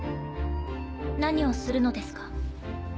何をするのですか？